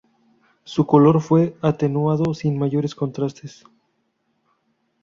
Su color fue atenuado, sin mayores contrastes.